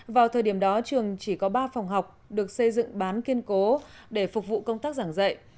vào thời điểm đó trường chỉ có ba phòng học được xây dựng bán kiên cố để phục vụ công tác giảng dạy